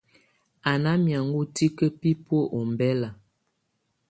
Á na miangɔ̀á tikǝ́ bibuǝ́ ɔmbɛla.